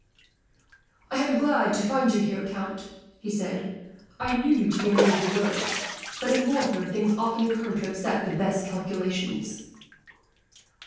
"I am glad to find you here, Count," he said. "I knew you to be a man of your word, but in warfare things often occur to upset the best calculations."